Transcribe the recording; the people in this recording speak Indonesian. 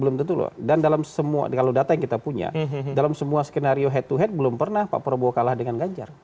belum tentu loh dan dalam semua kalau data yang kita punya dalam semua skenario head to head belum pernah pak prabowo kalah dengan ganjar